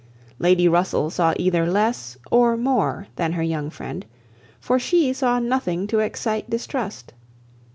Lady Russell saw either less or more than her young friend, for she saw nothing to excite distrust.